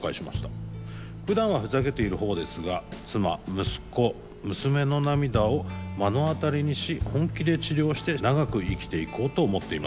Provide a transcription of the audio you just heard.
ふだんはふざけている方ですが妻息子娘の涙を目の当たりにし本気で治療して長く生きていこうと思っています」。